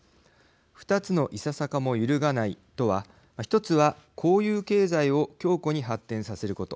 二つのいささかも揺るがないとは１つは公有経済を強固に発展させること。